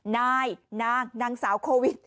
นายนางนางสาวโควิด